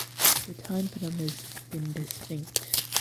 The tympanum is indistinct.